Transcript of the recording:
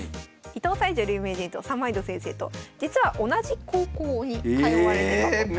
伊藤沙恵女流名人と三枚堂先生と実は同じ高校に通われてたと。